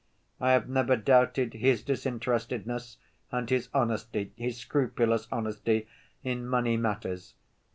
"I have never doubted his disinterestedness and his honesty ... his scrupulous honesty ... in money matters.